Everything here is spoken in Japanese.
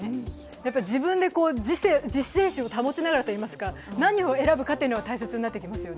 自分で自制心を保ちながらといいますか、何を選ぶかというのが大切になってきますよね。